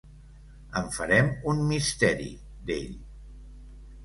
En farem un misteri, d'ell.